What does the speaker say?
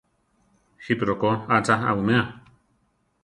¿Jípi rokó a cha awimea?